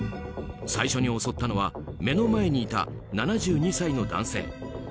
最初に襲ったのは目の前にいた７２歳の男性。